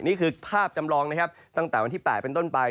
นี่คือภาพจำลองนะครับตั้งแต่วันที่๘เป็นต้นไป